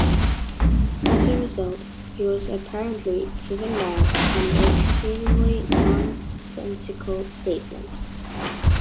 As a result, he was apparently driven mad and makes seemingly nonsensical statements.